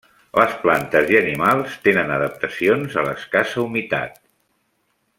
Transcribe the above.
Les plantes i animals tenen adaptacions a l'escassa humitat.